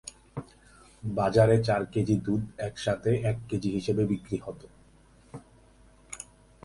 বাজারে চার কেজি দুধ একসাথে এক কেজি হিসেবে বিক্রি হত।